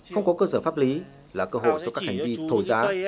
không có cơ sở pháp lý là cơ hội cho các hành vi thổi giá